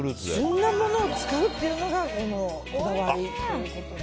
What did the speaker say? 旬なものを使うというのがこだわりということで。